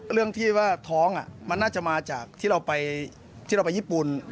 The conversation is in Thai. เรื่องที่ว่าท้องมันน่าจะมาจากที่เราไปญี่ปุ่น